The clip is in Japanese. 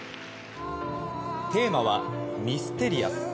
テーマはミステリアス。